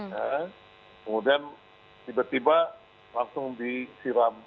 kemudian tiba tiba langsung disiram